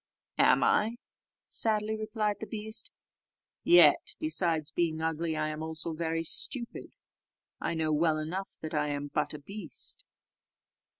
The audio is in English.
"Am I?" sadly replied the beast; "yet, besides being ugly, I am also very stupid: I know well enough that I am but a beast."